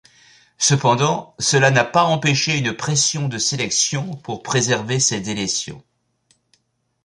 Cependant, cela n'a pas empêché une pression de sélection pour préserver ces délétions.